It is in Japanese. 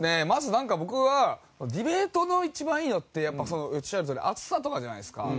まずなんか僕はディベートの一番いいのってやっぱおっしゃるとおり熱さとかじゃないですか。